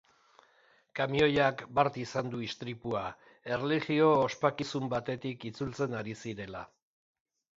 Kamioiak bart izan du istripua, erlijio-ospakizun batetik itzultzen ari zirela.